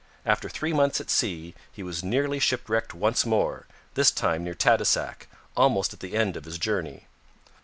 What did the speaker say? After three months at sea he was nearly shipwrecked once more, this time near Tadoussac, almost at the end of his journey.